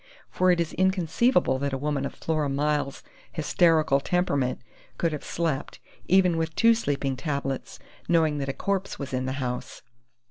For it is inconceivable that a woman of Flora Miles' hysterical temperament could have slept even with two sleeping tablets knowing that a corpse was in the house."